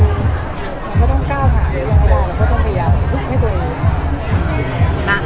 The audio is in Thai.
ทุกคนก็ต้องก้าวหาเราก็ต้องพยายามลุกให้ตัวเอง